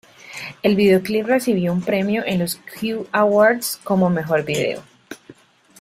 El videoclip recibió un premio en los Q Awards como mejor vídeo.